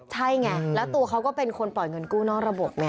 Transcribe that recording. ใช่ไงแล้วตัวเขาก็เป็นคนปล่อยเงินกู้นอกระบบไง